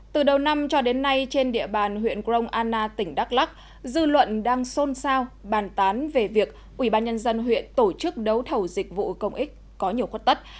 từ đầu năm cho đến nay trên địa bàn huyện grong anna tỉnh đắk lắc dư luận đang xôn xao bàn tán về việc ubnd huyện tổ chức đấu thầu dịch vụ công ích có nhiều khuất tất